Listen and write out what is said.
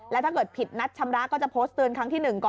แล้วถ้าเกิดผิดนัดชำระก็จะโพสต์เตือนครั้งที่๑ก่อน